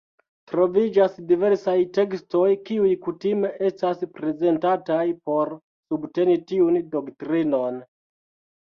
Troviĝas diversaj tekstoj kiuj kutime estas prezentataj por subteni tiun doktrinon.